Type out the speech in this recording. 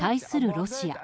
ロシア。